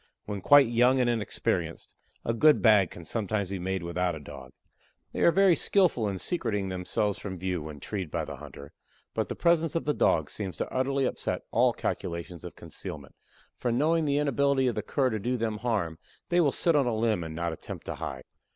When quite young and inexperienced, a good bag can sometimes be made without a Dog. They are very skillful in secreting themselves from view, when treed by the hunter, but the presence of the Dog seems to utterly upset all calculations of concealment, for knowing the inability of the Cur to do them harm they will sit on a limb and not attempt to hide.